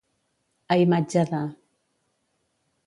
A imatge de.